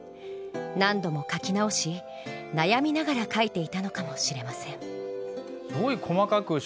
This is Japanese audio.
何度も書き直し悩みながら書いていたのかもしれません。